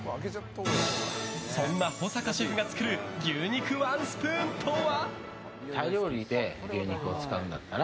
そんな保坂シェフが作る牛肉ワンスプーンとは？